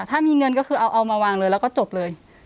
ถ้ามีเงินก็คือเอามาวางเลยแล้วก็จบเลย